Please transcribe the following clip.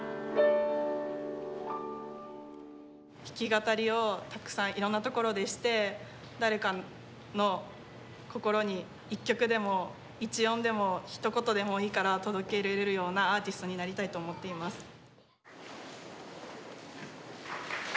弾き語りをたくさんいろんな所でして誰かの心に一曲でも一音でもひと言でもいいから届けられるようなアーティストになりたいと思っています。